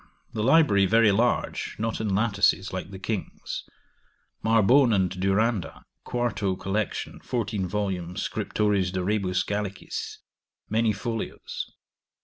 The library very large, not in lattices like the King's. Marbone and Durandi, q. collection 14 vol. Scriptores de rebus Gallicis, many folios.